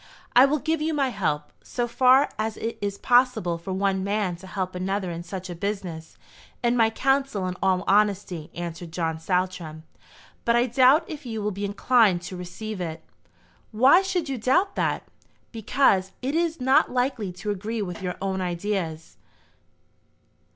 "I will give you my help, so far as it is possible for one man to help another in such a business, and my counsel in all honesty," answered John Saltram; "but I doubt if you will be inclined to receive it." "Why should you doubt that?" "Because it is not likely to agree with your own ideas."